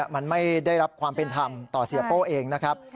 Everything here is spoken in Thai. มันไม่ได้รับความเป็นธรรมต่อเสียโป้เองนะครับ